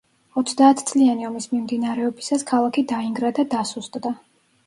ოცდაათწლიანი ომის მიმდინარეობისას, ქალაქი დაინგრა და დასუსტდა.